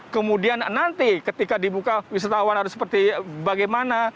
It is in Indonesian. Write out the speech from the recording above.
kemudian nanti ketika dibuka wisatawan harus seperti bagaimana